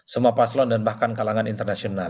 semua paslon dan bahkan kalangan internasional